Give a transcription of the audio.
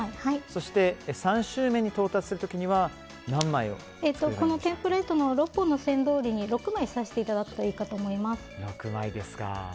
そして３周目に到達する時にはテンプレートの６個の線どおりに６枚刺していただくといいと思います。